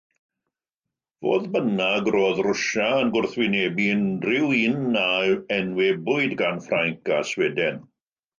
Fodd bynnag, roedd Rwsia yn gwrthwynebu unrhyw un a enwebwyd gan Ffrainc a Sweden.